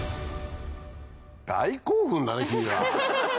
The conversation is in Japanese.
大興奮だね君は。